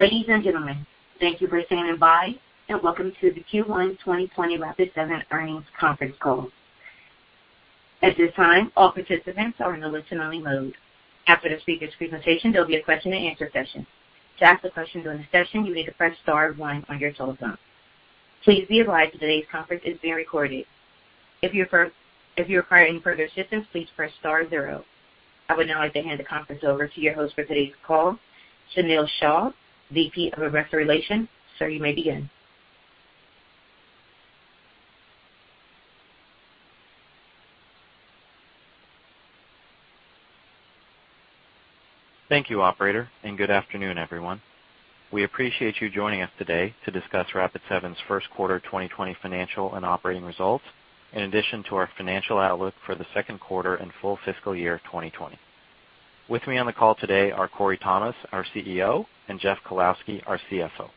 Ladies and gentlemen, thank you for standing by, and welcome to the Q1 2020 Rapid7 earnings conference call. At this time, all participants are in the listen-only mode. After the speakers' presentation, there'll be a question-and-answer session. To ask a question during the session, you need to press star one on your telephone. Please be advised today's conference is being recorded. If you require any further assistance, please press star zero. I would now like to hand the conference over to your host for today's call, Sunil Shah, VP of Investor Relations. Sir, you may begin. Thank you, operator. Good afternoon, everyone. We appreciate you joining us today to discuss Rapid7's first quarter 2020 financial and operating results, in addition to our financial outlook for the second quarter and full fiscal year 2020. With me on the call today are Corey Thomas, our CEO, and Jeff Kalowski, our CFO.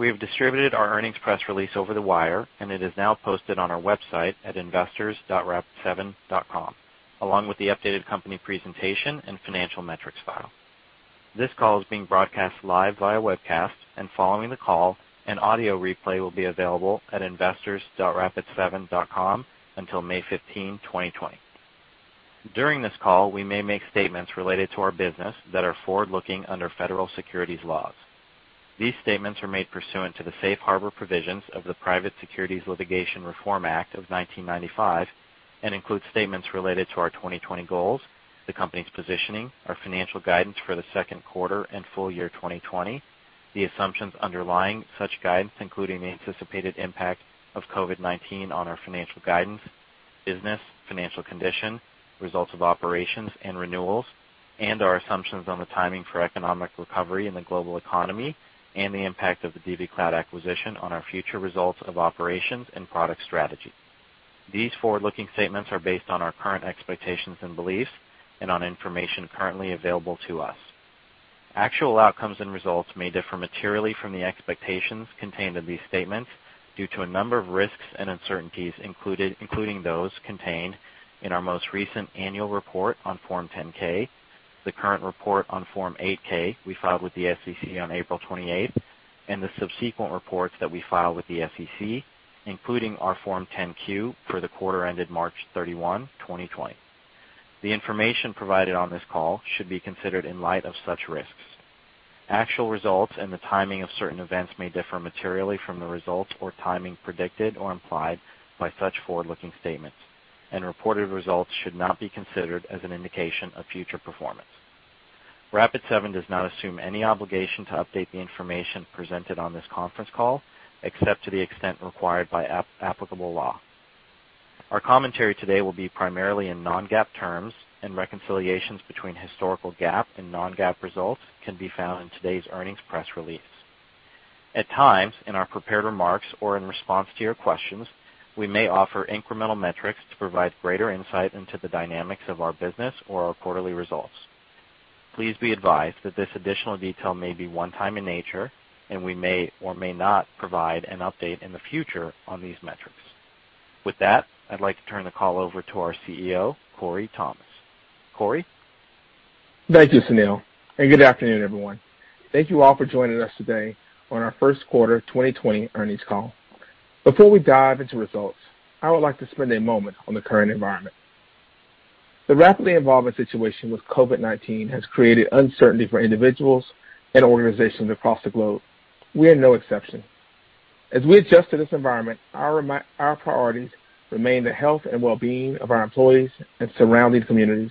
We have distributed our earnings press release over the wire, and it is now posted on our website at investors.rapid7.com, along with the updated company presentation and financial metrics file. This call is being broadcast live via webcast, and following the call, an audio replay will be available at investors.rapid7.com until May 15, 2020. During this call, we may make statements related to our business that are forward-looking under federal securities laws. These statements are made pursuant to the safe harbor provisions of the Private Securities Litigation Reform Act of 1995 and include statements related to our 2020 goals; the company's positioning; our financial guidance for the second quarter and full year 2020; the assumptions underlying such guidance, including the anticipated impact of COVID-19 on our financial guidance, business, financial condition, results of operations, and renewals; and our assumptions on the timing for economic recovery in the global economy and the impact of the DivvyCloud acquisition on our future results of operations and product strategy. These forward-looking statements are based on our current expectations and beliefs and on information currently available to us. Actual outcomes and results may differ materially from the expectations contained in these statements due to a number of risks and uncertainties, including those contained in our most recent annual report on Form 10-K, the current report on Form 8-K we filed with the SEC on April 28, and the subsequent reports that we filed with the SEC, including our Form 10-Q for the quarter ended March 31, 2020. The information provided on this call should be considered in light of such risks. Actual results and the timing of certain events may differ materially from the results or timing predicted or implied by such forward-looking statements, and reported results should not be considered as an indication of future performance. Rapid7 does not assume any obligation to update the information presented on this conference call, except to the extent required by applicable law. Our commentary today will be primarily in non-GAAP terms, and reconciliations between historical GAAP and non-GAAP results can be found in today's earnings press release. At times, in our prepared remarks or in response to your questions, we may offer incremental metrics to provide greater insight into the dynamics of our business or our quarterly results. Please be advised that this additional detail may be one-time in nature, and we may or may not provide an update in the future on these metrics. With that, I'd like to turn the call over to our CEO, Corey Thomas. Corey? Thank you, Sunil. Good afternoon, everyone. Thank you all for joining us today on our first quarter 2020 earnings call. Before we dive into results, I would like to spend a moment on the current environment. The rapidly evolving situation with COVID-19 has created uncertainty for individuals and organizations across the globe. We are no exception. As we adjust to this environment, our priorities remain the health and well-being of our employees and surrounding communities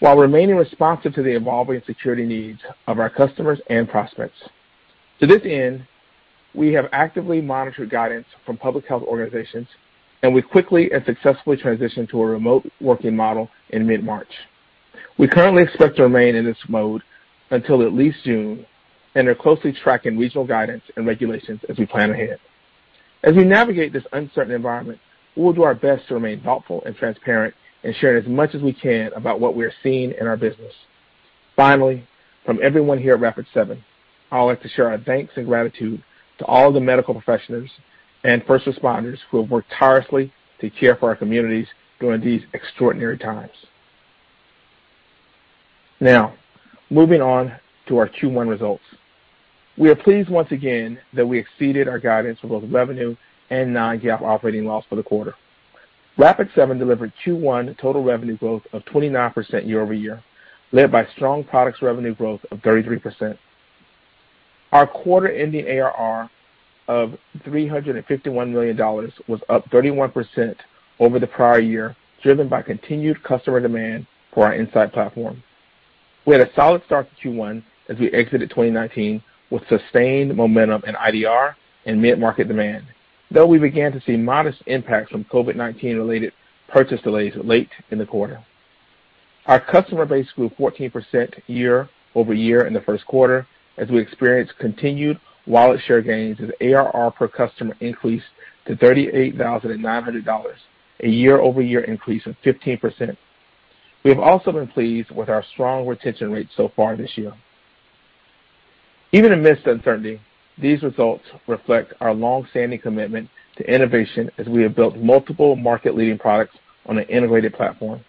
while remaining responsive to the evolving security needs of our customers and prospects. To this end, we have actively monitored guidance from public health organizations. We've quickly and successfully transitioned to a remote working model in mid-March. We currently expect to remain in this mode until at least June. We are closely tracking regional guidance and regulations as we plan ahead. As we navigate this uncertain environment, we will do our best to remain thoughtful and transparent and share as much as we can about what we are seeing in our business. Finally, from everyone here at Rapid7, I would like to share our thanks and gratitude to all the medical professionals and first responders who have worked tirelessly to care for our communities during these extraordinary times. Now, moving on to our Q1 results. We are pleased once again that we exceeded our guidance for both revenue and non-GAAP operating loss for the quarter. Rapid7 delivered Q1 total revenue growth of 29% year-over-year, led by strong products revenue growth of 33%. Our quarter ending ARR of $351 million was up 31% over the prior year, driven by continued customer demand for our Insight Platform. We had a solid start to Q1 as we exited 2019 with sustained momentum in IDR and mid-market demand, though we began to see modest impacts from COVID-19 related purchase delays late in the quarter. Our customer base grew 14% year-over-year in the first quarter as we experienced continued wallet share gains as ARR per customer increased to $38,900, a year-over-year increase of 15%. We have also been pleased with our strong retention rates so far this year. Even amidst uncertainty, these results reflect our long-standing commitment to innovation as we have built multiple market-leading products on an integrated platform.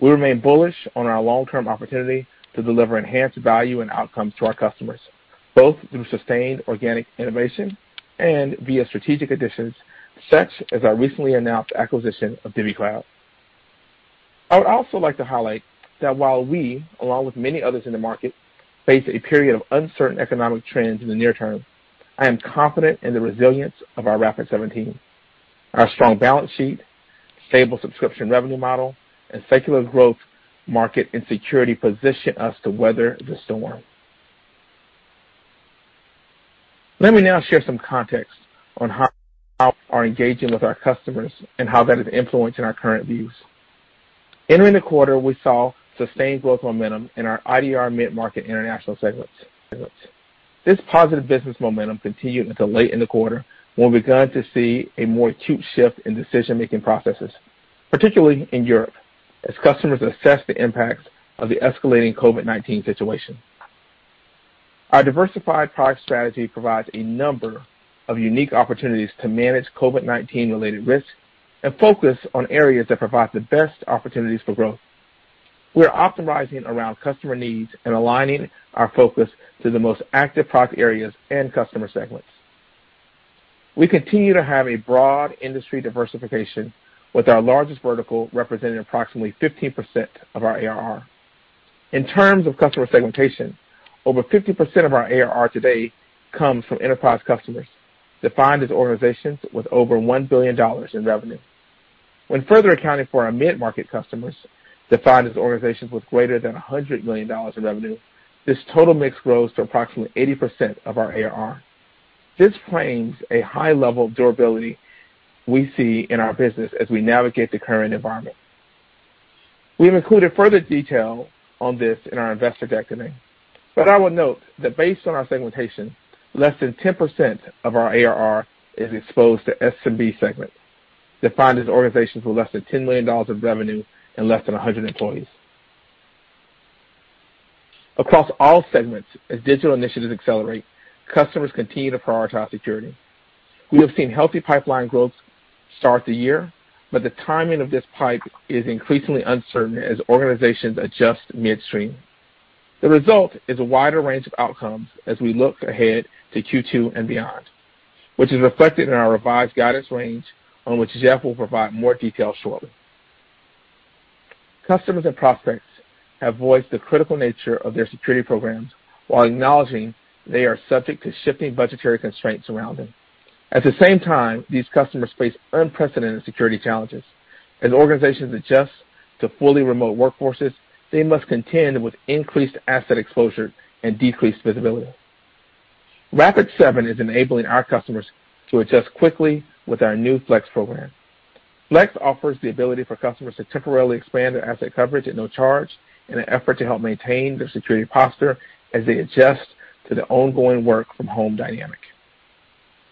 We remain bullish on our long-term opportunity to deliver enhanced value and outcomes to our customers, both through sustained organic innovation and via strategic additions, such as our recently announced acquisition of DivvyCloud. I would also like to highlight that while we, along with many others in the market, face a period of uncertain economic trends in the near term, I am confident in the resilience of our Rapid7 team. Our strong balance sheet, stable subscription revenue model, and secular growth market and security position us to weather the storm. Let me now share some context on how we are engaging with our customers and how that is influencing our current views. Entering the quarter, we saw sustained growth momentum in our IDR mid-market international segments. This positive business momentum continued until late in the quarter, when we began to see a more acute shift in decision-making processes, particularly in Europe, as customers assessed the impact of the escalating COVID-19 situation. Our diversified product strategy provides a number of unique opportunities to manage COVID-19 related risks and focus on areas that provide the best opportunities for growth. We are optimizing around customer needs and aligning our focus to the most active product areas and customer segments. We continue to have a broad industry diversification, with our largest vertical representing approximately 15% of our ARR. In terms of customer segmentation, over 50% of our ARR today comes from enterprise customers, defined as organizations with over $1 billion in revenue. When further accounting for our mid-market customers, defined as organizations with greater than $100 million in revenue, this total mix grows to approximately 80% of our ARR. This frames a high level of durability we see in our business as we navigate the current environment. We have included further detail on this in our investor deck today. I would note that based on our segmentation, less than 10% of our ARR is exposed to SMB segments, defined as organizations with less than $10 million of revenue and less than 100 employees. Across all segments, as digital initiatives accelerate, customers continue to prioritize security. We have seen healthy pipeline growth start the year, but the timing of this pipe is increasingly uncertain as organizations adjust midstream. The result is a wider range of outcomes as we look ahead to Q2 and beyond, which is reflected in our revised guidance range, on which Jeff will provide more detail shortly. Customers and prospects have voiced the critical nature of their security programs while acknowledging they are subject to shifting budgetary constraints around them. At the same time, these customers face unprecedented security challenges. As organizations adjust to fully remote workforces, they must contend with increased asset exposure and decreased visibility. Rapid7 is enabling our customers to adjust quickly with our new Flex program. Flex offers the ability for customers to temporarily expand their asset coverage at no charge in an effort to help maintain their security posture as they adjust to the ongoing work-from-home dynamic.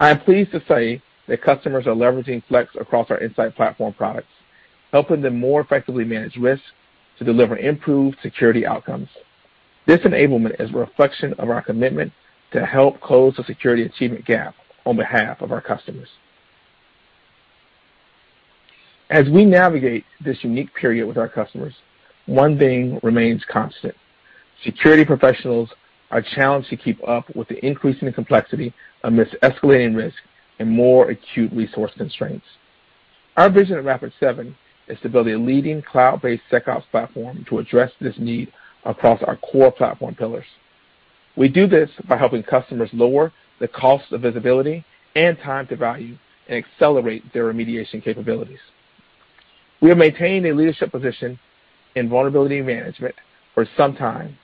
I am pleased to say that customers are leveraging Flex across our Insight Platform products, helping them more effectively manage risk to deliver improved security outcomes. This enablement is a reflection of our commitment to help close the security achievement gap on behalf of our customers. As we navigate this unique period with our customers, one thing remains constant. Security professionals are challenged to keep up with the increasing complexity amidst escalating risk and more acute resource constraints. Our vision at Rapid7 is to build a leading cloud-based SecOps platform to address this need across our core platform pillars. We do this by helping customers lower the cost of visibility and time to value and accelerate their remediation capabilities. We have maintained a leadership position in vulnerability management for some time.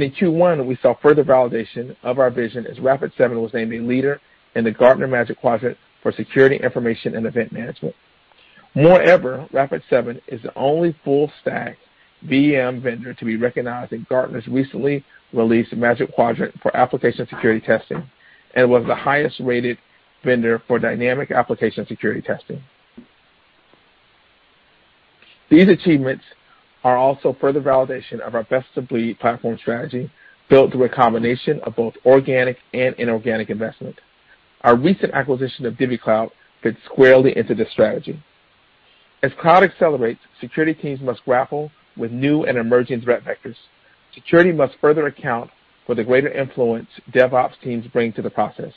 In Q1, we saw further validation of our vision as Rapid7 was named a leader in the Gartner Magic Quadrant for Security Information and Event Management. Rapid7 is the only full-stack VM vendor to be recognized in Gartner's recently released Magic Quadrant for Application Security Testing and was the highest-rated vendor for dynamic application security testing. These achievements are also further validation of our best-of-breed platform strategy, built through a combination of both organic and inorganic investment. Our recent acquisition of DivvyCloud fits squarely into this strategy. As cloud accelerates, security teams must grapple with new and emerging threat vectors. Security must further account for the greater influence DevOps teams bring to the process.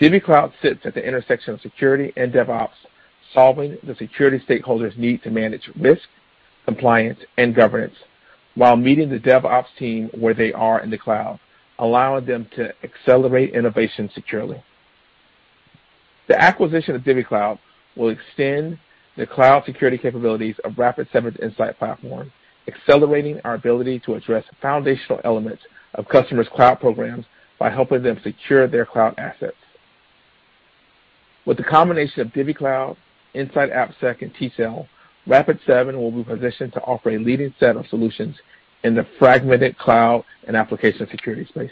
DivvyCloud sits at the intersection of security and DevOps, solving the security stakeholder's need to manage risk, compliance, and governance while meeting the DevOps team where they are in the cloud, allowing them to accelerate innovation securely. The acquisition of DivvyCloud will extend the cloud security capabilities of Rapid7's Insight Platform, accelerating our ability to address foundational elements of customers' cloud programs by helping them secure their cloud assets. With the combination of DivvyCloud, InsightAppSec, and tCell, Rapid7 will be positioned to offer a leading set of solutions in the fragmented cloud and Application Security space.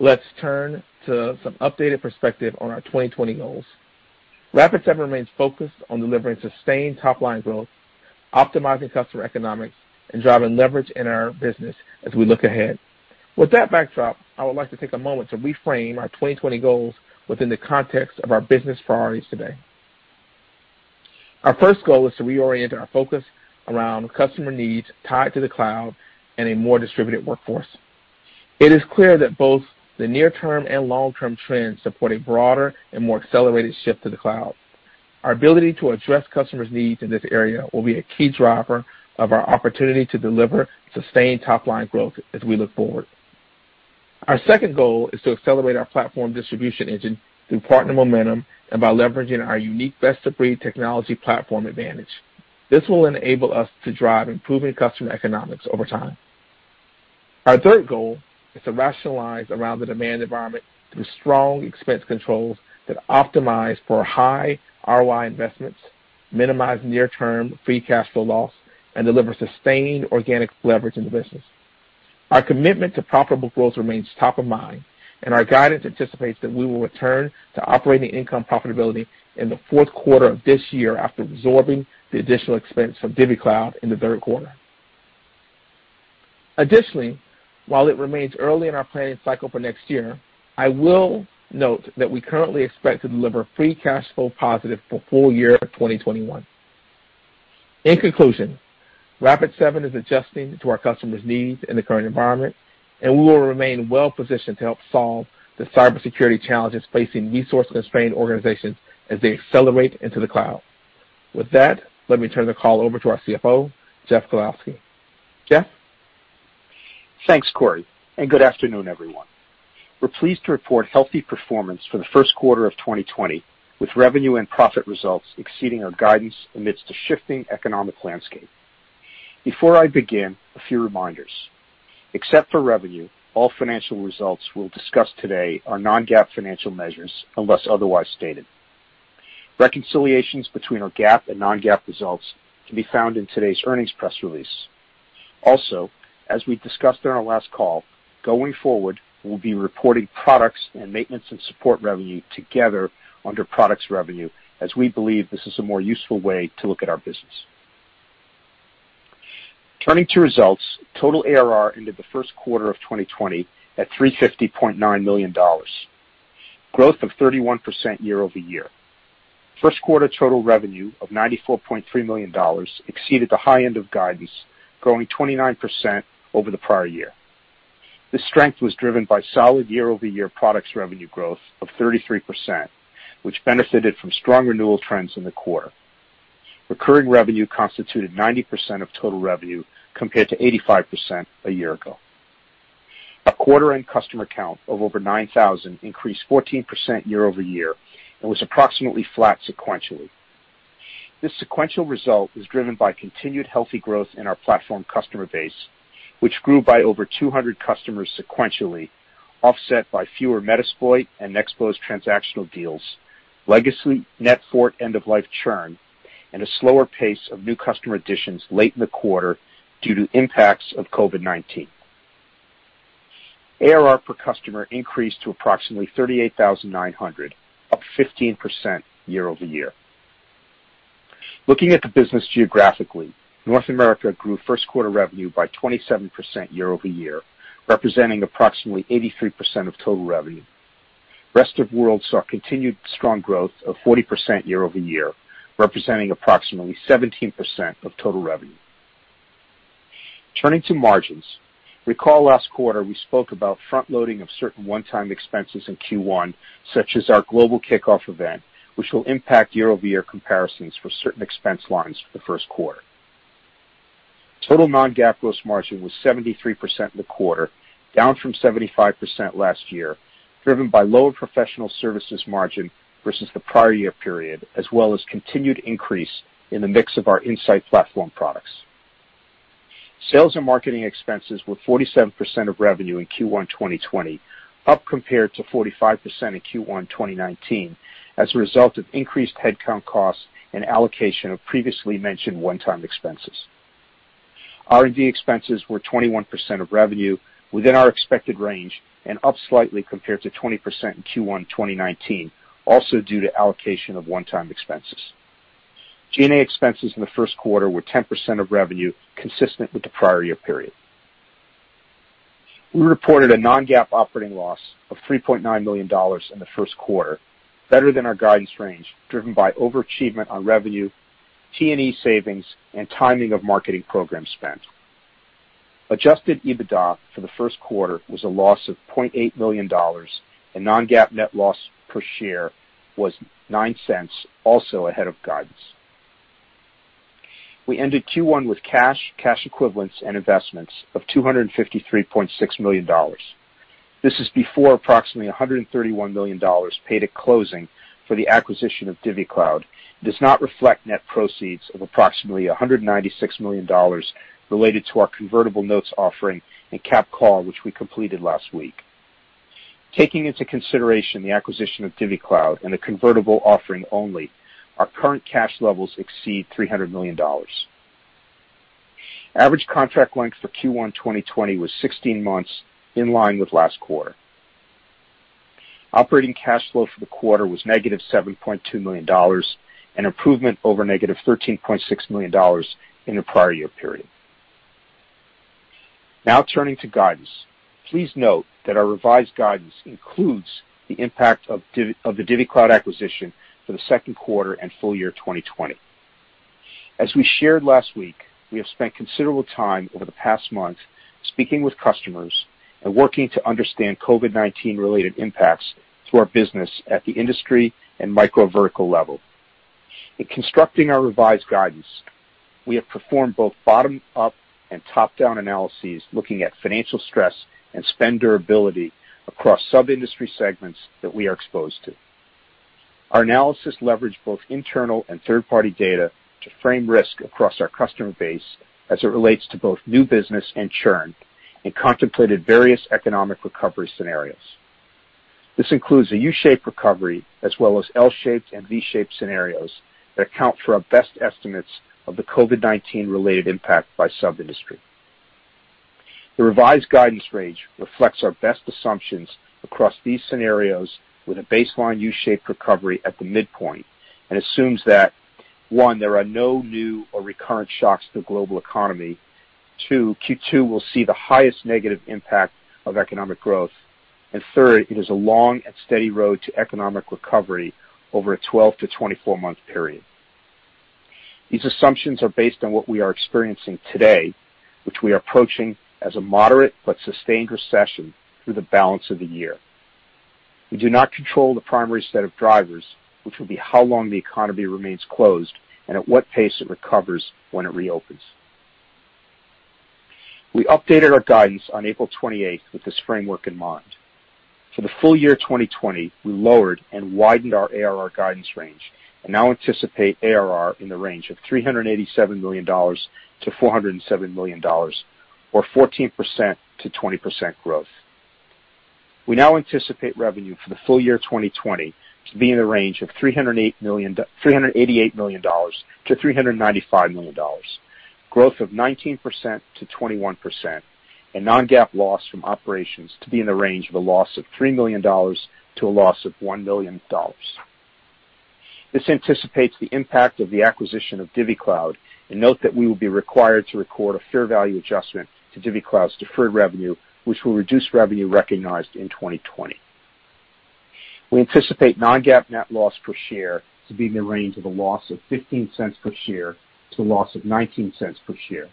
Let's turn to some updated perspectives on our 2020 goals. Rapid7 remains focused on delivering sustained top-line growth, optimizing customer economics, and driving leverage in our business as we look ahead. With that backdrop, I would like to take a moment to reframe our 2020 goals within the context of our business priorities today. Our first goal is to reorient our focus around customer needs tied to the cloud and a more distributed workforce. It is clear that both the near-term and long-term trends support a broader and more accelerated shift to the cloud. Our ability to address customers' needs in this area will be a key driver of our opportunity to deliver sustained top-line growth as we look forward. Our second goal is to accelerate our platform distribution engine through partner momentum and by leveraging our unique best-of-breed technology platform advantage. This will enable us to drive improving customer economics over time. Our third goal is to rationalize around the demand environment through strong expense controls that optimize for high ROI investments, minimize near-term free cash flow loss, and deliver sustained organic leverage in the business. Our commitment to profitable growth remains top of mind, and our guidance anticipates that we will return to operating income profitability in the fourth quarter of this year after absorbing the additional expense from DivvyCloud in the third quarter. Additionally, while it remains early in our planning cycle for next year, I will note that we currently expect to deliver free cash flow positive for full year 2021. In conclusion, Rapid7 is adjusting to our customers' needs in the current environment, and we will remain well-positioned to help solve the cybersecurity challenges facing resource-constrained organizations as they accelerate into the cloud. With that, let me turn the call over to our CFO, Jeff Kalowski. Jeff? Thanks, Corey. Good afternoon, everyone. We're pleased to report healthy performance for the first quarter of 2020, with revenue and profit results exceeding our guidance amidst a shifting economic landscape. Before I begin, a few reminders. Except for revenue, all financial results we'll discuss today are non-GAAP financial measures unless otherwise stated. Reconciliations between our GAAP and non-GAAP results can be found in today's earnings press release. As we discussed on our last call, going forward, we'll be reporting products and maintenance and support revenue together under product revenue, as we believe this is a more useful way to look at our business. Turning to results, total ARR into the first quarter of 2020 at $350.9 million. Growth of 31% year-over-year. First quarter total revenue of $94.3 million exceeded the high end of guidance, growing 29% over the prior year. This strength was driven by solid year-over-year product revenue growth of 33%, which benefited from strong renewal trends in the quarter. Recurring revenue constituted 90% of total revenue, compared to 85% a year ago. Our quarter-end customer count of over 9,000 increased 14% year over year and was approximately flat sequentially. This sequential result was driven by continued healthy growth in our platform customer base, which grew by over 200 customers sequentially, offset by fewer Metasploit and Nexpose transactional deals, legacy NetFort end-of-life churn, and a slower pace of new customer additions late in the quarter due to impacts of COVID-19. ARR per customer increased to approximately $38,900, up 15% year over year. Looking at the business geographically, North America grew first quarter revenue by 27% year over year, representing approximately 83% of total revenue. Rest of world saw continued strong growth of 40% year-over-year, representing approximately 17% of total revenue. Turning to margins. Recall last quarter we spoke about front-loading of certain one-time expenses in Q1, such as our global kickoff event, which will impact year-over-year comparisons for certain expense lines for the first quarter. Total non-GAAP gross margin was 73% in the quarter, down from 75% last year, driven by lower professional services margin versus the prior year period, as well as continued increase in the mix of our Insight Platform products. Sales and marketing expenses were 47% of revenue in Q1 2020, up compared to 45% in Q1 2019 as a result of increased headcount costs and allocation of previously mentioned one-time expenses. R&D expenses were 21% of revenue, within our expected range and up slightly compared to 20% in Q1 2019, also due to allocation of one-time expenses. G&A expenses in the first quarter were 10% of revenue, consistent with the prior-year period. We reported a non-GAAP operating loss of $3.9 million in the first quarter, better than our guidance range, driven by overachievement on revenue, T&E savings, and timing of marketing program spend. Adjusted EBITDA for the first quarter was a loss of $0.8 million, and non-GAAP net loss per share was $0.09, also ahead of guidance. We ended Q1 with cash equivalents and investments of $253.6 million. This is before approximately $131 million paid at closing for the acquisition of DivvyCloud. It does not reflect net proceeds of approximately $196 million related to our convertible notes offering and cap call, which we completed last week. Taking into consideration the acquisition of DivvyCloud and the convertible offering only, our current cash levels exceed $300 million. Average contract length for Q1 2020 was 16 months, in line with last quarter. Operating cash flow for the quarter was negative $7.2 million, an improvement over negative $13.6 million in the prior year period. Now turning to guidance. Please note that our revised guidance includes the impact of the DivvyCloud acquisition for the second quarter and full year 2020. As we shared last week, we have spent considerable time over the past month speaking with customers and working to understand COVID-19 related impacts to our business at the industry and micro-vertical level. In constructing our revised guidance, we have performed both bottom-up and top-down analyses looking at financial stress and spend durability across sub-industry segments that we are exposed to. Our analysis leveraged both internal and third-party data to frame risk across our customer base as it relates to both new business and churn and contemplated various economic recovery scenarios. This includes a U-shaped recovery as well as L-shaped and V-shaped scenarios that account for our best estimates of the COVID-19 related impact by sub-industry. The revised guidance range reflects our best assumptions across these scenarios with a baseline U-shaped recovery at the midpoint and assumes that, one, there are no new or recurrent shocks to the global economy, two, Q2 will see the highest negative impact of economic growth, and third, it is a long and steady road to economic recovery over a 12 to 24-month period. These assumptions are based on what we are experiencing today, which we are approaching as a moderate but sustained recession through the balance of the year. We do not control the primary set of drivers, which will be how long the economy remains closed and at what pace it recovers when it reopens. We updated our guidance on April 28th with this framework in mind. For the full year 2020, we lowered and widened our ARR guidance range and now anticipate ARR in the range of $387 million-$407 million, or 14%-20% growth. We now anticipate revenue for the full year 2020 to be in the range of $388 million to $395 million, growth of 19%-21%, and non-GAAP loss from operations to be in the range of a loss of $3 million to a loss of $1 million. This anticipates the impact of the acquisition of DivvyCloud, and note that we will be required to record a fair value adjustment to DivvyCloud's deferred revenue, which will reduce revenue recognized in 2020. We anticipate non-GAAP net loss per share to be in the range of a loss of $0.15 per share to a loss of $0.19 per share.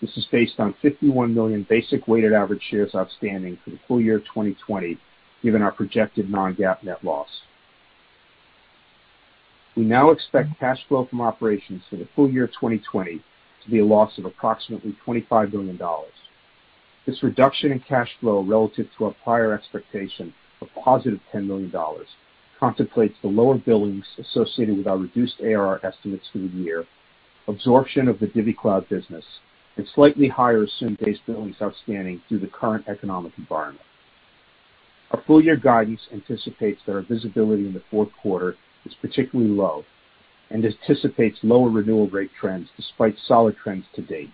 This is based on 51 million basic weighted average shares outstanding for the full year 2020, given our projected non-GAAP net loss. We now expect cash flow from operations for the full year 2020 to be a loss of approximately $25 million. This reduction in cash flow relative to our prior expectation of positive $10 million contemplates the lower billings associated with our reduced ARR estimates for the year, absorption of the DivvyCloud business, and slightly higher assumed base billings outstanding through the current economic environment. Our full-year guidance anticipates that our visibility in the fourth quarter is particularly low and anticipates lower renewal rate trends despite solid trends to date.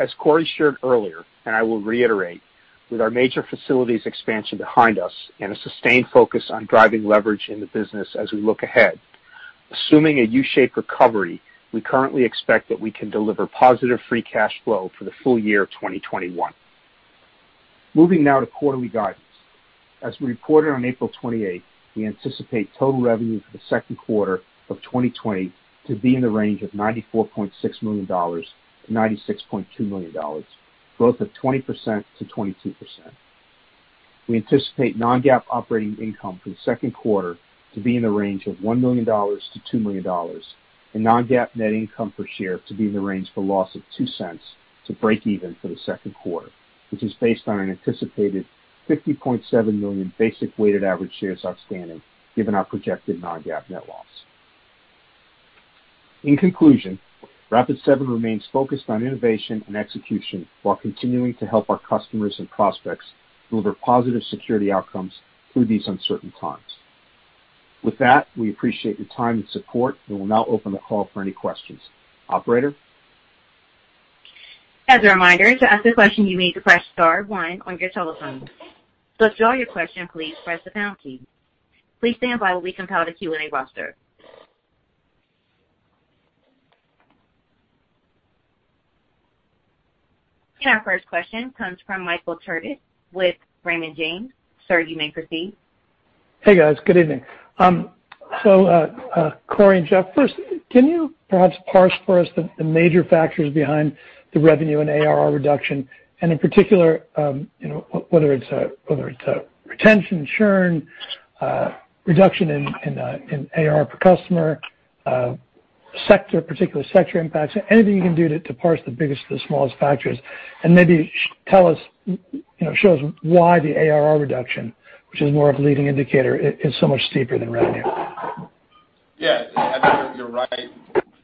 As Corey shared earlier, and I will reiterate, with our major facilities expansion behind us and a sustained focus on driving leverage in the business as we look ahead, assuming a U-shaped recovery, we currently expect that we can deliver positive free cash flow for the full year of 2021. Moving now to quarterly guidance. As we reported on April 28th, we anticipate total revenue for the second quarter of 2020 to be in the range of $94.6 million-$96.2 million, growth of 20%-22%. We anticipate non-GAAP operating income for the second quarter to be in the range of $1 million-$2 million and non-GAAP net income per share to be in the range for loss of $0.02 to breakeven for the second quarter, which is based on an anticipated 50.7 million basic weighted average shares outstanding given our projected non-GAAP net loss. In conclusion, Rapid7 remains focused on innovation and execution while continuing to help our customers and prospects deliver positive security outcomes through these uncertain times. With that, we appreciate your time and support and will now open the call for any questions. Operator? As a reminder, to ask a question, you need to press star one on your telephone. To withdraw your question, please press the pound key. Please stand by while we compile the Q&A roster. Our first question comes from Michael Turits with Raymond James. Sir, you may proceed. Hey, guys. Good evening. Corey and Jeff, first, can you perhaps parse for us the major factors behind the revenue and ARR reduction? In particular, whether it's retention, churn, reduction in ARR per customer, particular sector impacts, anything you can do to parse the biggest to the smallest factors. Maybe show us why the ARR reduction, which is more of a leading indicator, is so much steeper than revenue. Yeah. I think you're right.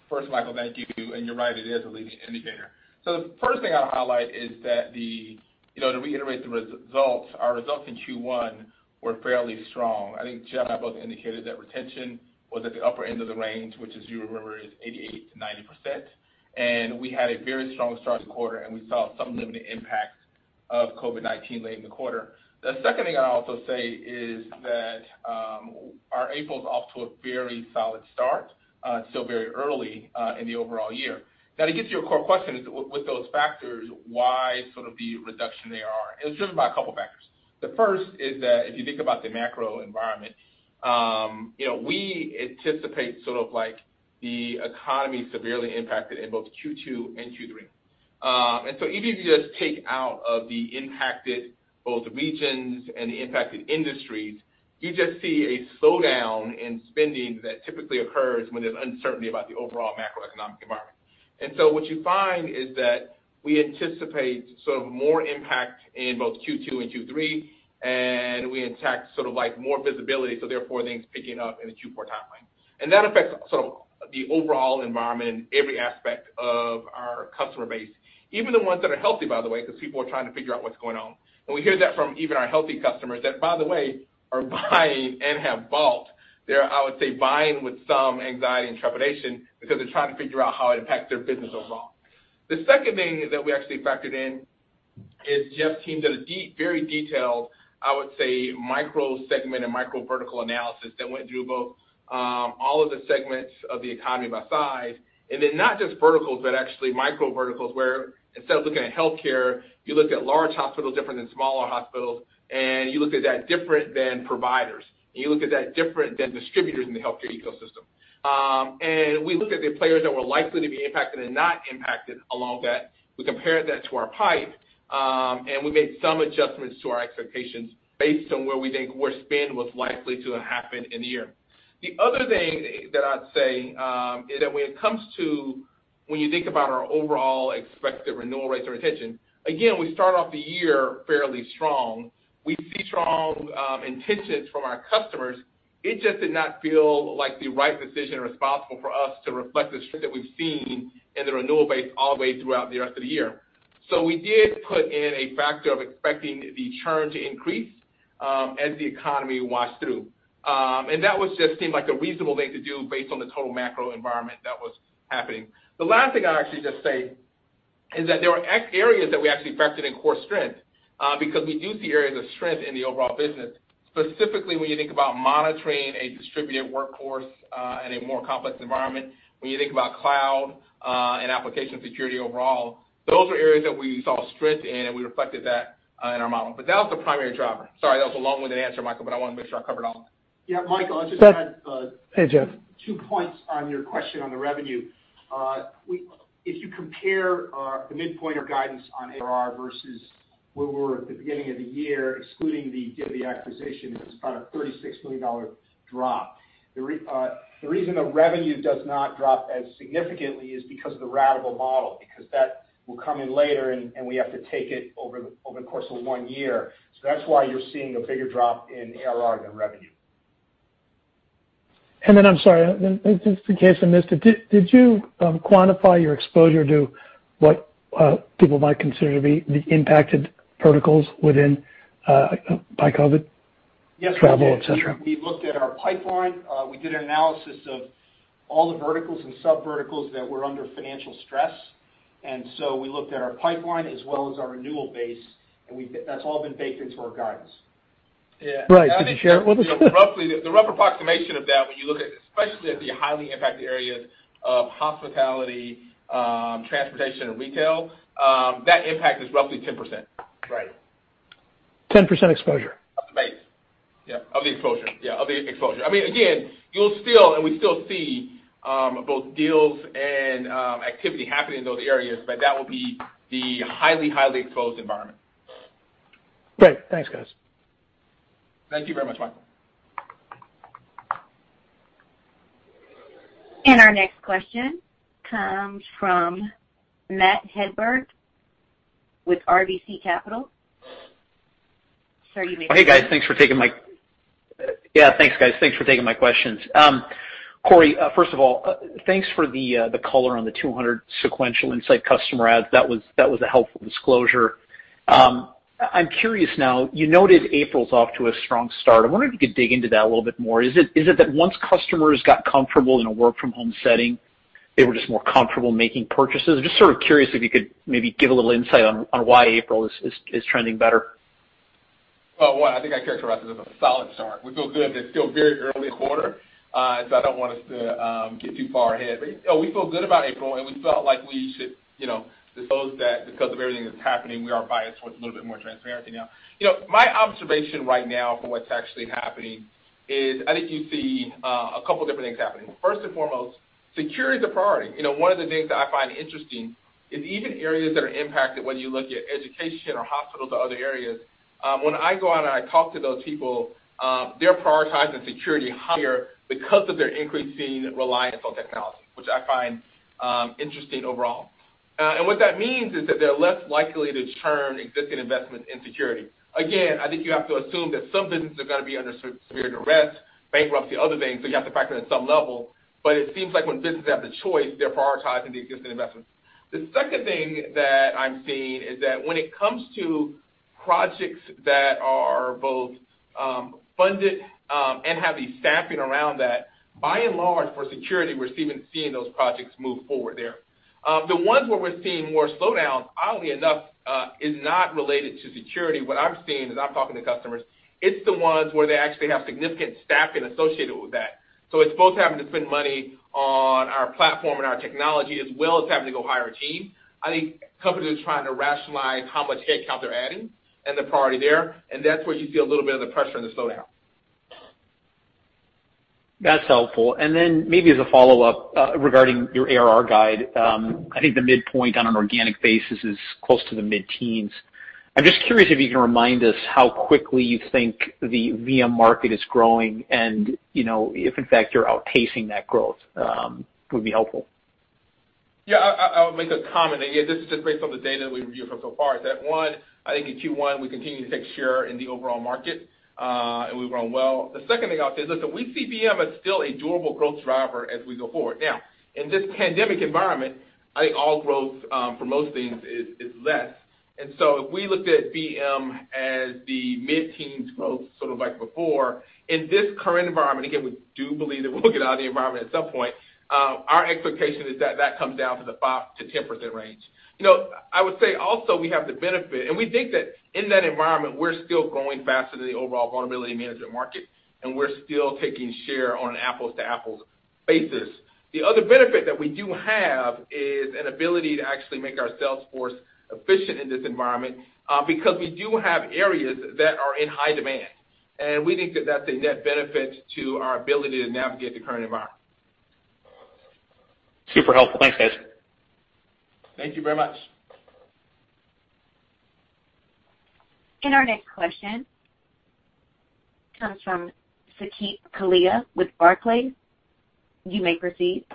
First, Michael, thank you. You're right, it is a leading indicator. The first thing I'll highlight is that to reiterate the results, our results in Q1 were fairly strong. I think Jeff and I both indicated that retention was at the upper end of the range, which, as you remember, is 88%-90%. We had a very strong start to the quarter, and we saw some limited impact of COVID-19 late in the quarter. The second thing I'd also say is that our April is off to a very solid start. It's still very early in the overall year. To get to your core question is with those factors, why sort of the reduction, it's driven by a couple factors. The first is that if you think about the macro environment, we anticipate the economy severely impacted in both Q2 and Q3. Even if you just take out of the impacted both regions and the impacted industries, you just see a slowdown in spending that typically occurs when there's uncertainty about the overall macroeconomic environment. What you find is that we anticipate more impact in both Q2 and Q3, and we expect more visibility, therefore things picking up in the Q4 timeline. That affects the overall environment, every aspect of our customer base, even the ones that are healthy, by the way, because people are trying to figure out what's going on. We hear that from even our healthy customers that, by the way, are buying and have bought. They're, I would say, buying with some anxiety and trepidation because they're trying to figure out how it impacts their business overall. The second thing that we actually factored in is Jeff's team did a very detailed, I would say, micro-segment and micro-vertical analysis that went through both all of the segments of the economy by size, then not just verticals but actually micro-verticals, where instead of looking at healthcare, you looked at large hospitals, different than smaller hospitals, and you looked at that different than providers, and you looked at that different than distributors in the healthcare ecosystem. We looked at the players that were likely to be impacted and not impacted along that. We compared that to our pipe, and we made some adjustments to our expectations based on where we think where spend was likely to happen in the year. The other thing that I'd say is that when it comes to when you think about our overall expected renewal rates or retention, again, we start off the year fairly strong. We see strong intentions from our customers. It just did not feel like the right decision or responsible for us to reflect the strength that we've seen in the renewal base all the way throughout the rest of the year. We did put in a factor of expecting the churn to increase as the economy washed through. That just seemed like a reasonable thing to do based on the total macro environment that was happening. The last thing I'd actually just say is that there are areas that we actually factored in core strength because we do see areas of strength in the overall business, specifically when you think about monitoring a distributed workforce and a more complex environment. When you think about cloud and application security overall, those are areas that we saw strength in, and we reflected that in our model. That was the primary driver. Sorry, that was a long-winded answer, Michael, but I want to make sure I covered all of it. Yeah, Michael. Hey, Jeff. Two points on your question on the revenue: If you compare the midpoint of guidance on ARR versus where we were at the beginning of the year, excluding the DivvyCloud acquisition, it was about a $36 million drop. The reason the revenue does not drop as significantly is because of the ratable model, because that will come in later, and we have to take it over the course of one year. That's why you're seeing a bigger drop in ARR than revenue. Then, I'm sorry, in case I missed it, did you quantify your exposure to what people might consider to be the impacted verticals by COVID, travel, etc.? Yes, we did. We looked at our pipeline. We did an analysis of all the verticals and sub-verticals that were under financial stress. We looked at our pipeline as well as our renewal base, and that's all been baked into our guidance. Yeah. Right. Could you share with us. Roughly, the rough approximation of that when you look at, especially at the highly impacted areas of hospitality, transportation, and retail, that impact is roughly 10%. Right. 10% exposure. Of the base. Yeah. Of the exposure. Yeah, of the exposure. Again, we still see both deals and activity happening in those areas, but that will be the highly exposed environment. Great. Thanks, guys. Thank you very much, Michael. Our next question comes from Matt Hedberg with RBC Capital. Sir, you may ask your- Hey, guys. Yeah, thanks, guys. Thanks for taking my questions. Corey, first of all, thanks for the color on the 200 sequential Insight customer adds. That was a helpful disclosure. I'm curious now; you noted April's off to a strong start. I wonder if you could dig into that a little bit more. Is it that once customers got comfortable in a work-from-home setting, they were just more comfortable making purchases? I'm just sort of curious if you could maybe give a little insight on why April is trending better. Well, one, I think I characterized it as a solid start. We feel good. It's still very early in the quarter. I don't want us to get too far ahead. We feel good about April, and we felt like we should disclose that because of everything that's happening, we are biased towards a little bit more transparency now. My observation right now for what's actually happening is I think you see a couple different things happening. First and foremost, security is a priority. One of the things that I find interesting is even areas that are impacted, whether you look at education or hospitals or other areas, when I go out and I talk to those people, they're prioritizing security higher because of their increasing reliance on technology, which I find interesting overall. What that means is that they're less likely to churn existing investments in security. Again, I think you have to assume that some businesses are going to be under severe duress, bankruptcy, other things, so you have to factor it in some level. It seems like when businesses have the choice, they're prioritizing the existing investments. The second thing that I'm seeing is that when it comes to projects that are both funded and have the staffing around that, by and large, for security, we're even seeing those projects move forward there. The ones where we're seeing more slowdown, oddly enough, is not related to security. What I'm seeing as I'm talking to customers, it's the ones where they actually have significant staffing associated with that. It's both having to spend money on our platform and our technology, as well as having to go hire a team. I think companies are trying to rationalize how much headcount they're adding and the priority there, and that's where you see a little bit of the pressure and the slowdown. That's helpful. Then maybe as a follow-up regarding your ARR guide, I think the midpoint on an organic basis is close to the mid-teens. I'm just curious if you can remind us how quickly you think the VM market is growing and if, in fact, you're outpacing that growth would be helpful. Yeah. I'll make a comment. This is just based on the data we've reviewed so far: that one, I think in Q1, we continue to take share in the overall market, and we've grown well. The second thing I'll say is that we see VM as still a durable growth driver as we go forward. Now, in this pandemic environment, I think all growth, for most things, is less. If we looked at VM as the mid-teens growth, sort of like before, in this current environment, again, we do believe that we'll get out of the environment at some point; our expectation is that that comes down to the 5%-10% range. I would say also, we have the benefit, and we think that in that environment, we're still growing faster than the overall vulnerability management market, and we're still taking share on an apples-to-apples basis. The other benefit that we do have is an ability to actually make our sales force efficient in this environment because we do have areas that are in high demand. We think that that's a net benefit to our ability to navigate the current environment. Super helpful. Thanks, guys. Thank you very much. Our next question comes from Saket Kalia with Barclays. You may proceed.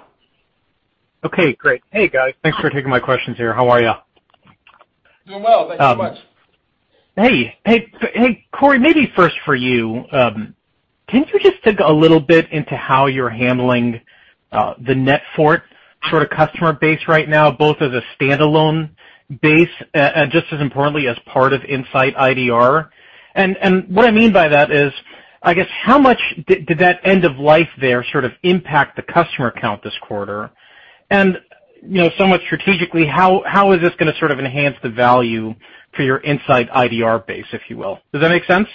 Okay, great. Hey, guys. Thanks for taking my questions here. How are you? Doing well. Thank you so much. Hey, Corey, maybe first for you. Can you just dig a little bit into how you're handling the NetFort sort of customer base right now, both as a standalone base, just as importantly, as part of InsightIDR? What I mean by that is, I guess, how much did that end of life there sort of impact the customer count this quarter? Somewhat strategically, how is this going to sort of enhance the value for your InsightIDR base, if you will? Does that make sense?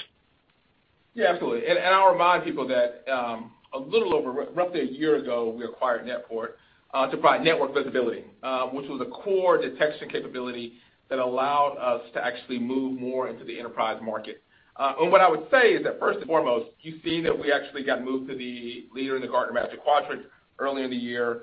Yeah, absolutely. I'll remind people that a little over roughly a year ago, we acquired NetFort to provide network visibility, which was a core detection capability that allowed us to actually move more into the enterprise market. What I would say is that first and foremost, you've seen that we actually got moved to the leader in the Gartner Magic Quadrant earlier in the year.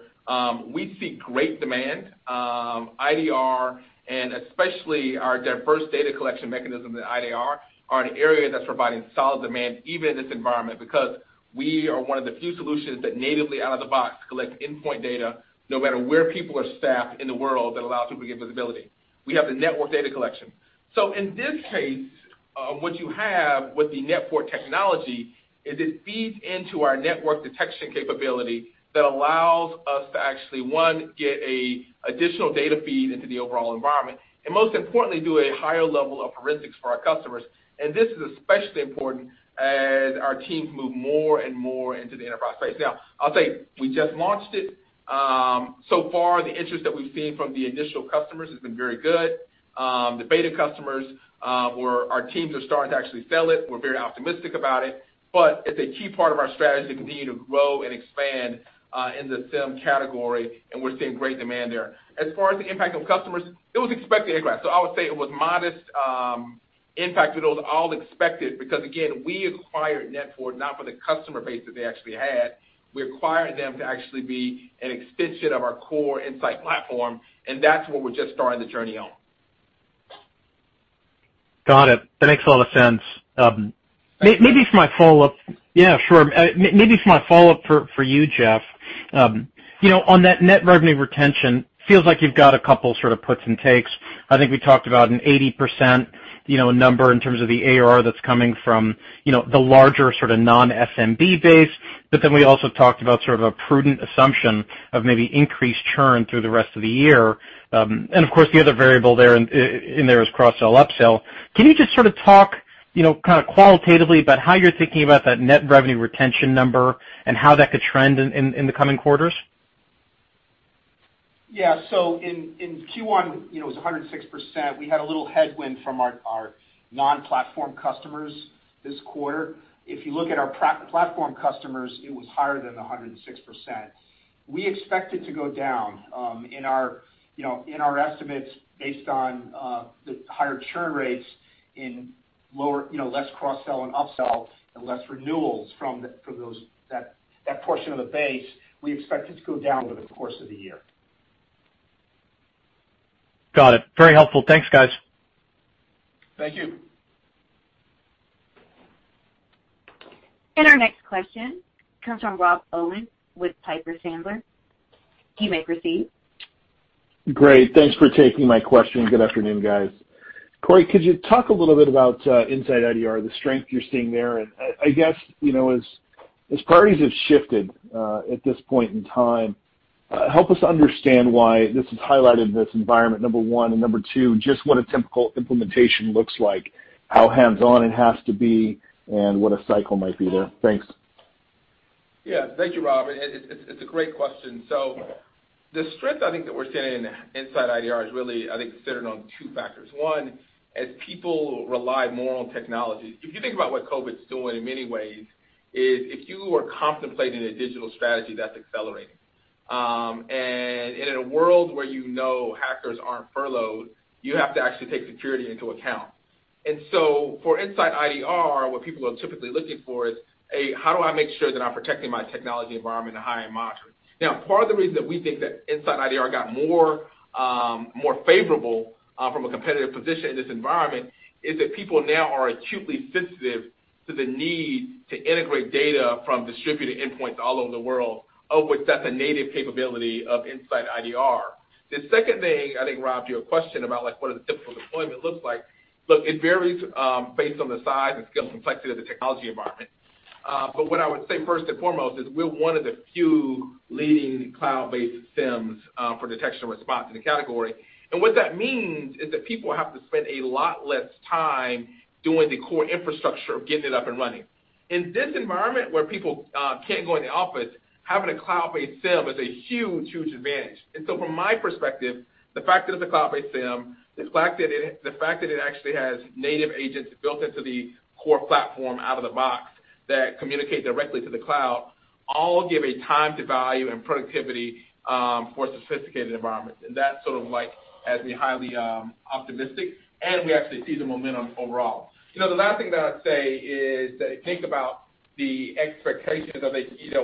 We see great demand. IDR and especially our first data collection mechanism in IDR are an area that's providing solid demand even in this environment because we are one of the few solutions that natively out of the box collect endpoint data, no matter where people are staffed in the world that allows people to get visibility. We have the network data collection. In this case, what you have with the NetFort technology is it feeds into our network detection capability that allows us to actually, one, get an additional data feed into the overall environment and, most importantly, do a higher level of forensics for our customers. This is especially important as our teams move more and more into the enterprise space. I'll tell you, we just launched it. So far, the interest that we've seen from the initial customers has been very good. The beta customers, or our teams, are starting to actually sell it. We're very optimistic about it, but it's a key part of our strategy to continue to grow and expand in the SIEM category, and we're seeing great demand there. As far as the impact on customers, it was expected. I would say it was a modest impact. It was all expected because, again, we acquired NetFort not for the customer base that they actually had. We acquired them to actually be an extension of our core Insight Platform. That's what we're just starting the journey on. Got it. That makes a lot of sense. Thanks. Yeah, sure. Maybe for my follow-up for you, Jeff. On that net revenue retention, feels like you've got a couple sort of puts and takes. I think we talked about an 80% number in terms of the ARR that's coming from the larger sort of non-SMB base. We also talked about sort of a prudent assumption of maybe increased churn through the rest of the year. Of course, the other variable in there is cross-sell, up-sell. Can you just sort of talk kind of qualitatively about how you're thinking about that net revenue retention number and how that could trend in the coming quarters? Yeah. In Q1, it was 106%. We had a little headwind from our non-platform customers this quarter. If you look at our platform customers, it was higher than 106%. We expect it to go down in our estimates based on the higher churn rates and less cross-sell and up-sell and less renewals from that portion of the base. We expect it to go down over the course of the year. Got it. Very helpful. Thanks, guys. Thank you. Our next question comes from Rob Owens with Piper Sandler. You may proceed. Great. Thanks for taking my question. Good afternoon, guys. Corey, could you talk a little bit about InsightIDR, the strength you're seeing there? I guess as priorities have shifted at this point in time, help us understand why this has highlighted this environment, number one, and number two, just what a typical implementation looks like, how hands-on it has to be, and what a cycle might be there. Thanks. Thank you, Rob. It's a great question. The strength I think that we're seeing in InsightIDR is really, I think, centered on two factors. One, as people rely more on technology, if you think about what COVID's doing in many ways, is if you were contemplating a digital strategy, that's accelerating. In a world where you know hackers aren't furloughed, you have to actually take security into account. For InsightIDR, what people are typically looking for is a how do I make sure that I'm protecting my technology environment to a higher monitor?" Part of the reason that we think that InsightIDR got more favorable, from a competitive position in this environment, is that people now are acutely sensitive to the need to integrate data from distributed endpoints all over the world of which that's a native capability of InsightIDR. The second thing, I think, Rob, is your question about what does a typical deployment looks like. Look, it varies based on the size and scale and complexity of the technology environment. What I would say first and foremost is we're one of the few leading cloud-based SIEMs for detection response in the category. What that means is that people have to spend a lot less time doing the core infrastructure of getting it up and running. In this environment where people can't go in the office, having a cloud-based SIEM is a huge advantage. From my perspective, the fact that it's a cloud-based SIEM, the fact that it actually has native agents built into the core platform out of the box that communicate directly to the cloud all give a time to value and productivity for sophisticated environments. That's sort of has me highly optimistic, and we actually see the momentum overall. The last thing that I'd say is that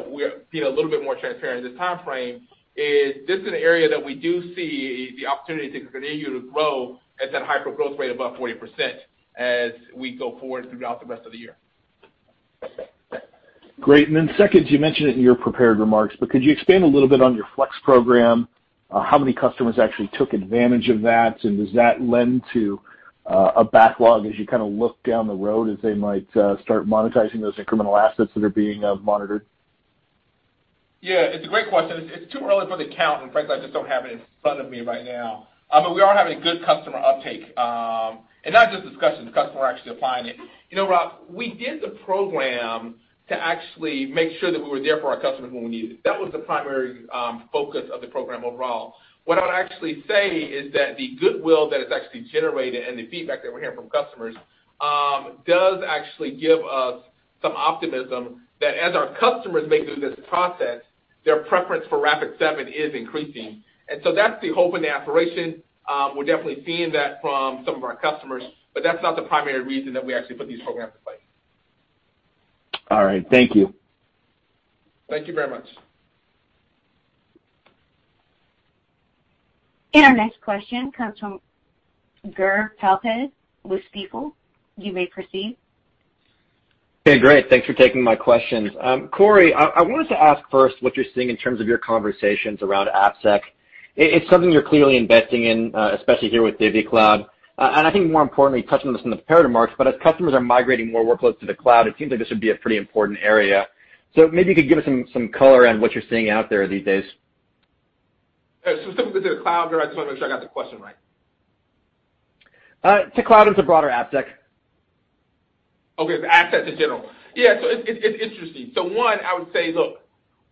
we're being a little bit more transparent. The timeframe is this is an area that we do see the opportunity to continue to grow at that hypergrowth rate above 40% as we go forward throughout the rest of the year. Great. Then second, you mentioned it in your prepared remarks, but could you expand a little bit on your Flex program, how many customers actually took advantage of that, and does that lend to a backlog as you kind of look down the road as they might start monetizing those incremental assets that are being monitored? Yeah, it's a great question. It's too early for the count, and frankly, I just don't have it in front of me right now. We are having good customer uptake. Not just discussions, the customer actually applying it. Rob, we did the program to actually make sure that we were there for our customers when we needed it. That was the primary focus of the program overall. What I would actually say is that the goodwill that it's actually generated and the feedback that we're hearing from customers does actually give us some optimism that as our customers make it through this process, their preference for Rapid7 is increasing. That's the hope and the aspiration. We're definitely seeing that from some of our customers, but that's not the primary reason that we actually put these programs in place. All right. Thank you. Thank you very much. Our next question comes from Gur Talpaz with Stifel. You may proceed. Okay, great. Thanks for taking my questions. Corey, I wanted to ask first what you're seeing in terms of your conversations around AppSec. It's something you're clearly investing in, especially here with DivvyCloud. I think more importantly, you touched on this in the prepared remarks, but as customers are migrating more workloads to the cloud, it seems like this would be a pretty important area. Maybe you could give us some color around what you're seeing out there these days. Specifically to the cloud, Gur? I just want to make sure I got the question right. To cloud and to broader AppSec. Okay, AppSec in general. Yeah, it's interesting. One, I would say, look,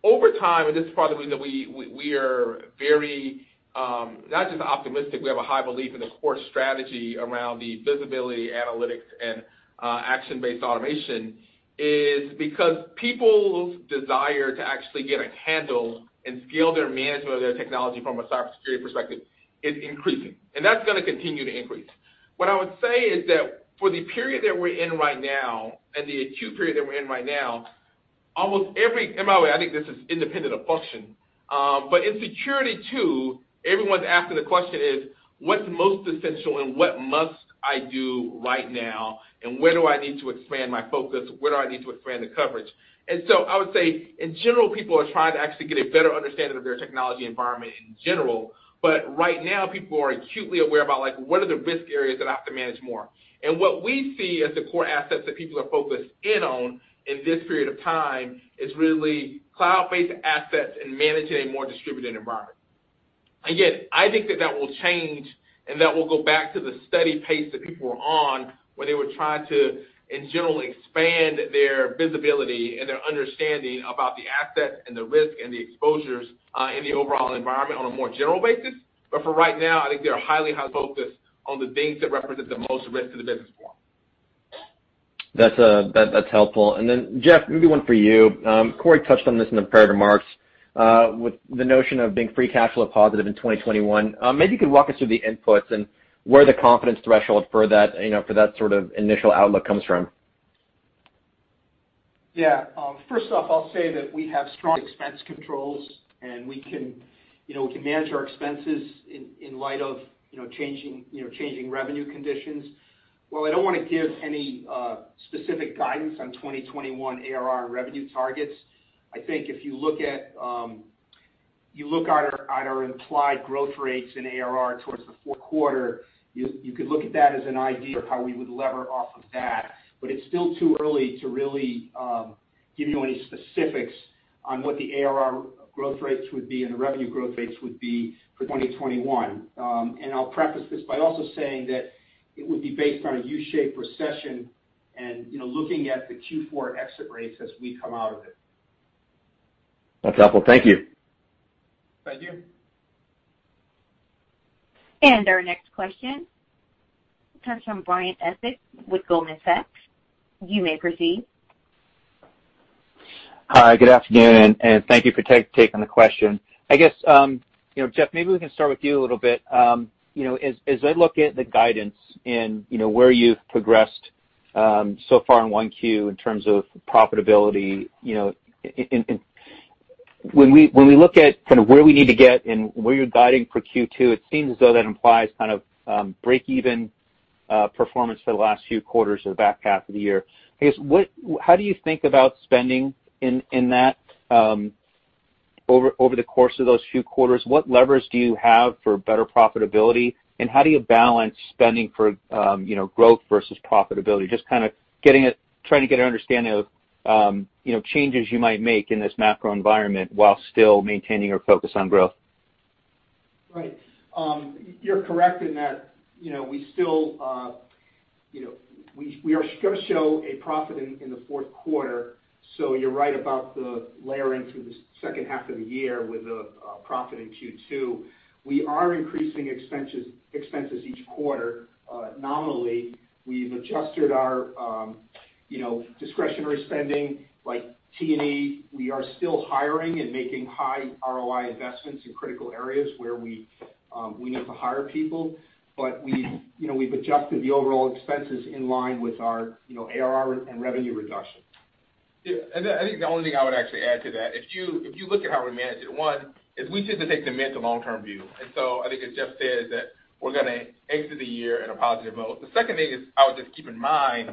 over time, and this is part of the reason we are very, not just optimistic, we have a high belief in the core strategy around the visibility, analytics, and action-based automation is because people's desire to actually get a handle and scale their management of their technology from a cybersecurity perspective is increasing, and that's going to continue to increase. What I would say is that for the period that we're in right now, and the acute period that we're in right now, and by the way, I think this is independent of function. In security too, everyone's asking the question is, what's most essential, and what must I do right now, and where do I need to expand my focus? Where do I need to expand the coverage? I would say, in general, people are trying to actually get a better understanding of their technology environment in general. Right now, people are acutely aware about, like, what are the risk areas that I have to manage more? What we see as the core assets that people are focused in on in this period of time is really cloud-based assets and managing a more distributed environment. I think that that will change, and that will go back to the steady pace that people were on when they were trying to, in general, expand their visibility and their understanding about the assets and the risk and the exposures in the overall environment on a more general basis. For right now, I think they are highly focused on the things that represent the most risk to the business form. That's helpful. Then Jeff, maybe one for you. Corey touched on this in the prepared remarks, with the notion of being free cash flow positive in 2021. Maybe you could walk us through the inputs and where the confidence threshold for that sort of initial outlook comes from. Yeah. First off, I'll say that we have strong expense controls, and we can manage our expenses in light of changing revenue conditions. While I don't want to give any specific guidance on 2021 ARR revenue targets, I think if you look at our implied growth rates in ARR towards the fourth quarter, you could look at that as an idea of how we would lever off of that, but it's still too early to really give you any specifics on what the ARR growth rates would be and the revenue growth rates would be for 2021. I'll preface this by also saying that it would be based on a U-shaped recession and looking at the Q4 exit rates as we come out of it. That's helpful. Thank you. Thank you. Our next question comes from Brian Essex with Goldman Sachs. You may proceed. Hi. Good afternoon, and thank you for taking the question. I guess, Jeff, maybe we can start with you a little bit. As I look at the guidance and where you've progressed so far in 1Q in terms of profitability, when we look at kind of where we need to get and where you're guiding for Q2, it seems as though that implies kind of breakeven performance for the last few quarters of the back half of the year. I guess how do you think about spending in that over the course of those few quarters? What levers do you have for better profitability, and how do you balance spending for growth versus profitability? Just kind of trying to get an understanding of changes you might make in this macro environment while still maintaining your focus on growth. Right. You're correct in that we are going to show a profit in the fourth quarter, so you're right about the layering through the second half of the year with a profit in Q2. We are increasing expenses each quarter nominally. We've adjusted our discretionary spending, like T&E. We are still hiring and making high ROI investments in critical areas where we need to hire people. We've adjusted the overall expenses in line with our ARR and revenue reduction. Yeah. I think the only thing I would actually add to that, if you look at how we manage it, one is we just take the mid- to long-term view. I think, as Jeff said, that we're going to exit the year in a positive mode. The second thing is I would just keep in mind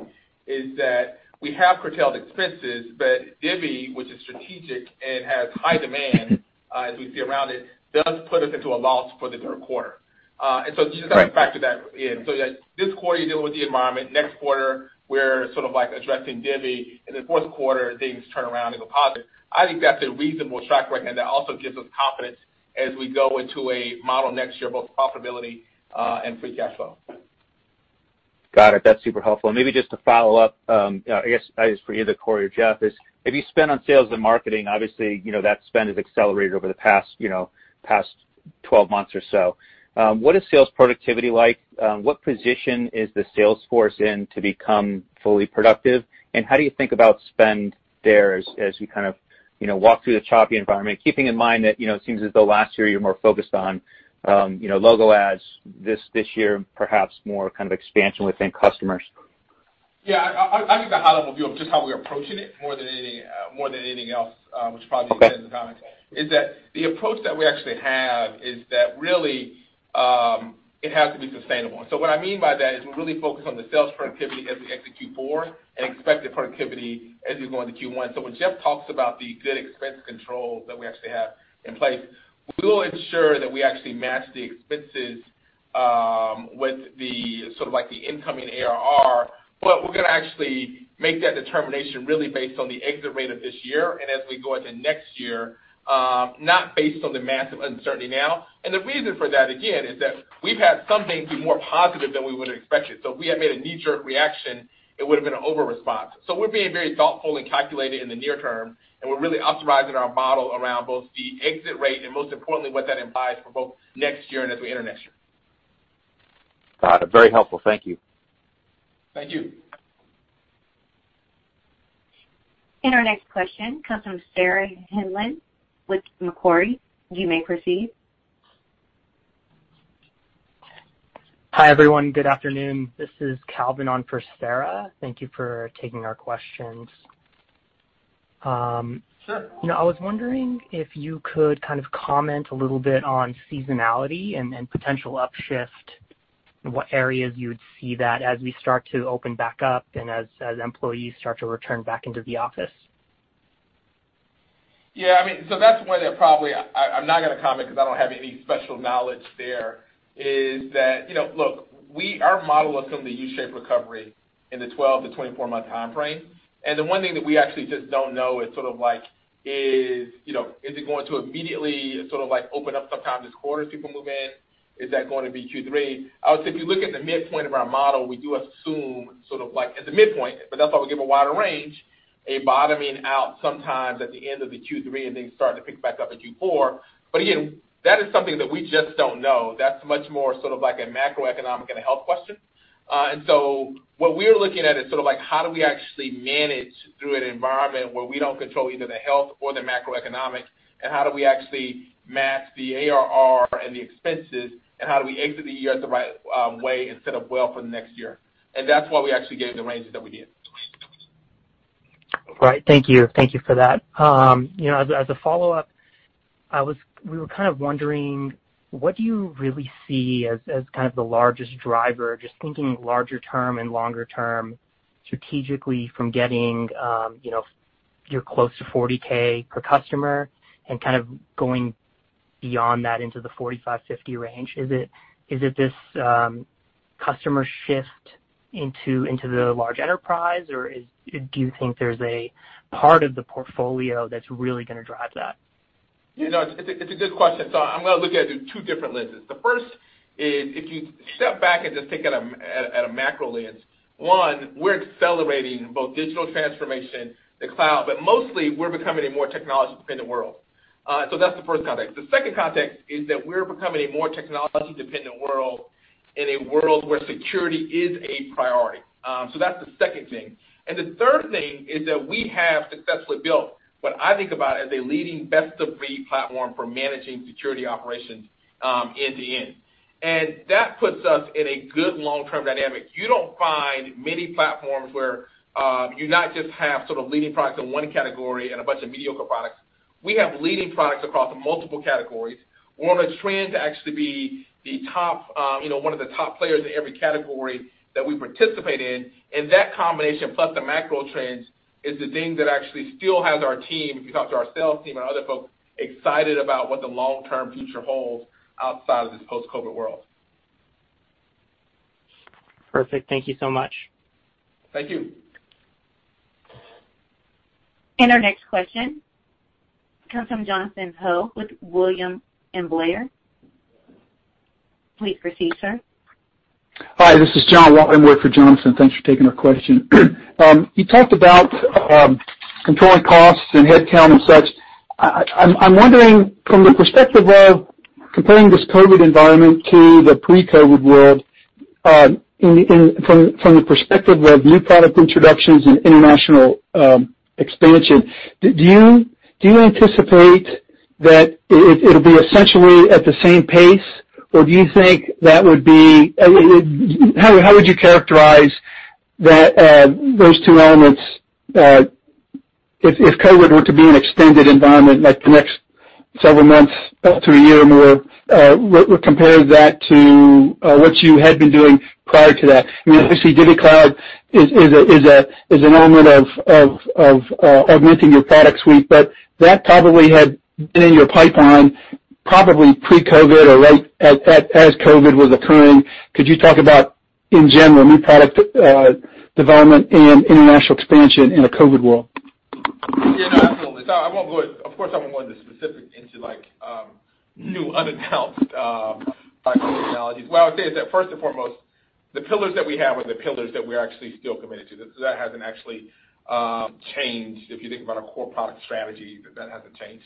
is that we have curtailed expenses, but Divvy, which is strategic and has high demand as we see around it, does put us into a loss for the third quarter. Just kind of factor that in, so that this quarter, you're dealing with the environment; next quarter, we're sort of addressing Divvy, in the fourth quarter, things turn around in the positive. I think that's a reasonable track record, and that also gives us confidence as we go into a model next year, both in profitability and free cash flow. Got it. That's super helpful. Maybe just to follow up, I guess this is for either Corey or Jeff, is if you spend on sales and marketing, obviously, that spend has accelerated over the past 12 months or so. What is sales productivity like? What position is the sales force in to become fully productive, and how do you think about spend there as we kind of walk through the choppy environment, keeping in mind that it seems as though last year you were more focused on logo ads, this year, perhaps, more kind of expansion within customers? Yeah. I'll give the high-level view of just how we're approaching it more than anything else, which probably explains the comments, is that the approach that we actually have is that, really, it has to be sustainable. What I mean by that is we're really focused on the sales productivity as we exit Q4 and expected productivity as we go into Q1. When Jeff talks about the good expense controls that we actually have in place, we will ensure that we actually match the expenses with the incoming ARR, but we're going to actually make that determination really based on the exit rate of this year and as we go into next year, not based on the massive uncertainty now. The reason for that, again, is that we've had some things be more positive than we would've expected. If we had made a knee-jerk reaction, it would've been an overresponse. We're being very thoughtful and calculated in the near term, and we're really optimizing our model around both the exit rate and, most importantly, what that implies for both next year and as we enter next year. Got it. Very helpful. Thank you. Thank you. Our next question comes from Sarah Hindlian with Macquarie. You may proceed. Hi, everyone. Good afternoon. This is Calvin on for Sarah. Thank you for taking our questions. Sure. I was wondering if you could kind of comment a little bit on seasonality and potential upshifts and what areas you would see that as we start to open back up and as employees start to return back into the office. Yeah. I mean, so that's one that probably I'm not going to comment on because I don't have any special knowledge there, is that, look, our model assumes a U-shaped recovery in the 12 to 24-month timeframe. The one thing that we actually just don't know is sort of like, is it going to immediately sort of open up sometime this quarter as people move in? Is that going to be Q3? I would say if you look at the midpoint of our model, we do assume sort of like at the midpoint, but that's why we give a wider range, a bottoming out sometimes at the end of the Q3 and things starting to pick back up at Q4. Again, that is something that we just don't know. That's much more sort of like a macroeconomic and a health question. What we're looking at is sort of like how do we actually manage through an environment where we don't control either the health or the macroeconomics, and how do we actually match the ARR and the expenses, and how do we exit the year the right way and set up well for the next year? That's why we actually gave the ranges that we did. Right. Thank you. Thank you for that. As a follow-up, we were kind of wondering, what do you really see as kind of the largest driver, just thinking larger term and longer term strategically from getting—you're close to 40K per customer and kind of going beyond that into the 45, 50 range? Is it this customer shift into the large enterprise, or do you think there's a part of the portfolio that's really going to drive that? It's a good question. I'm going to look at it in two different lenses. The first is if you step back and just take it at a macro lens: one, we're accelerating both digital transformation, the cloud, but mostly we're becoming a more technology-dependent world. That's the first context. The second context is that we're becoming a more technology-dependent world in a world where security is a priority. That's the second thing. The third thing is that we have successfully built what I think about as a leading best-of-breed platform for managing security operations end-to-end. That puts us in a good long-term dynamic. You don't find many platforms where you not just have sort of leading products in one category and a bunch of mediocre products. We have leading products across multiple categories. We're on a trend to actually be one of the top players in every category that we participate in. That combination, plus the macro trends, is the thing that actually still has our team, if you talk to our sales team and other folks, excited about what the long-term future holds outside of this post-COVID world. Perfect. Thank you so much. Thank you. Our next question comes from Jonathan Ho with William Blair. Please proceed, sir. Hi, this is John Weidemoyer for Jonathan. Thanks for taking our question. You talked about controlling costs and headcount and such. I'm wondering from the perspective of comparing this COVID environment to the pre-COVID world, from the perspective of new product introductions and international expansion, do you anticipate that it'll be essentially at the same pace? Or how would you characterize those two elements if COVID were to be an extended environment, like the next several months up to a year or more, comparing that to what you had been doing prior to that? Obviously, DivvyCloud is an element of augmenting your product suite, but that probably had been in your pipeline probably pre-COVID or right as COVID was occurring. Could you talk about, in general, new product development and international expansion in a COVID world? Yeah, absolutely. Of course, I won't go into specifics into new unannounced technologies. What I would say is that first and foremost, the pillars that we have are the pillars that we are actually still committed to. That hasn't actually changed. If you think about our core product strategy, that hasn't changed.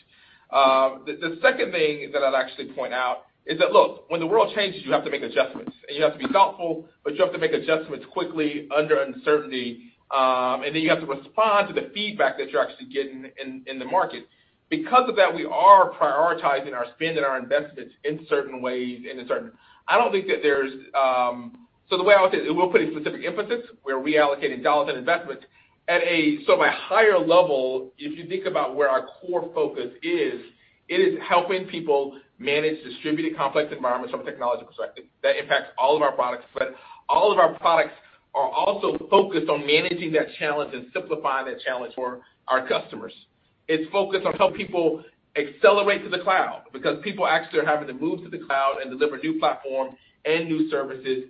The second thing that I'd actually point out is that, look, when the world changes, you have to make adjustments, and you have to be thoughtful, but you have to make adjustments quickly under uncertainty, and then you have to respond to the feedback that you're actually getting in the market. Because of that, we are prioritizing our spend and our investments in certain ways. The way I would say it, we're putting specific emphasis where we're reallocating dollars and investments. At a higher level, if you think about where our core focus is, it is helping people manage distributed complex environments from a technological perspective. That impacts all of our products, but all of our products are also focused on managing that challenge and simplifying that challenge for our customers. It's focused on helping people accelerate to the cloud, because people actually are having to move to the cloud and deliver new platforms and new services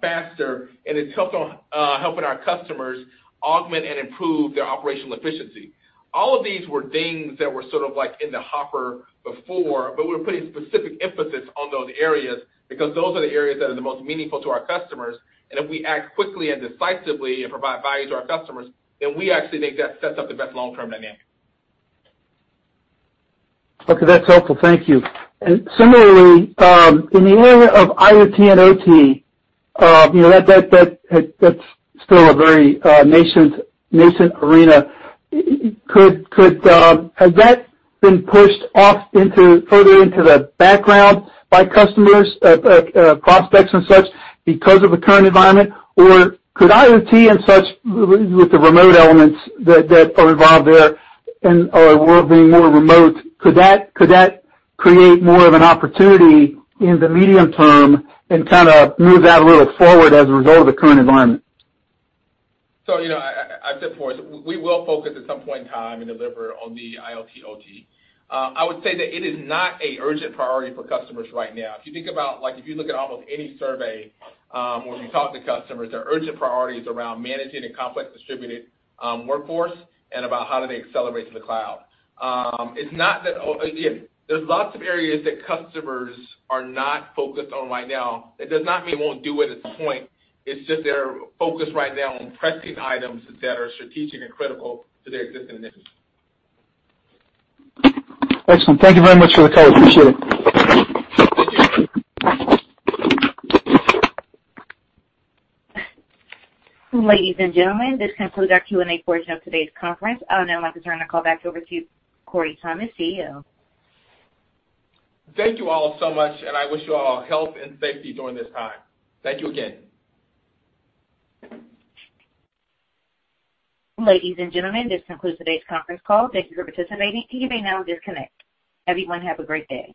faster, and it's focused on helping our customers augment and improve their operational efficiency. All of these were things that were sort of like in the hopper before, but we're putting specific emphasis on those areas because those are the areas that are the most meaningful to our customers. If we act quickly and decisively and provide value to our customers, then we actually think that sets up the best long-term dynamic. Okay, that's helpful. Thank you. Similarly, in the area of IoT and OT, that's still a very nascent arena. Has that been pushed off further into the background by customers, prospects, and such because of the current environment? Could IoT and such, with the remote elements that are involved there and/or being more remote, could that create more of an opportunity in the medium term and kind of move that a little forward as a result of the current environment? I've said before, we will focus at some point in time and deliver on the IoT/OT. I would say that it is not an urgent priority for customers right now. If you look at almost any survey where we talk to customers, their urgent priority is around managing a complex distributed workforce and about how do they accelerate to the cloud. There's lots of areas that customers are not focused on right now. That does not mean won't do it at some point. It's just they are focused right now on pressing items that are strategic and critical to their existing business. Excellent. Thank you very much for the time. Appreciate it. Ladies and gentlemen, this concludes our Q&A portion of today's conference. I would now like to turn the call back over to you, Corey Thomas, CEO. Thank you all so much. I wish you all health and safety during this time. Thank you again. Ladies and gentlemen, this concludes today's conference call. Thank you for participating. You may now disconnect. Everyone have a great day.